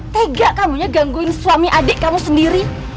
tega kamu ya gangguin suami adik kamu sendiri